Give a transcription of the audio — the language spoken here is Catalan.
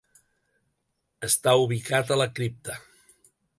Està ubicat a la Cripta.